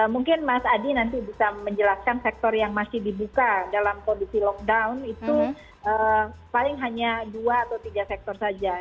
mungkin mas adi nanti bisa menjelaskan sektor yang masih dibuka dalam kondisi lockdown itu paling hanya dua atau tiga sektor saja